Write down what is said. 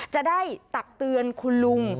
จะได้ตักเตือนคุณลุง